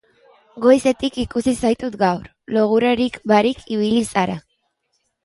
Goizetik ikusi zaitut gaur, logurarik barik ibili zara.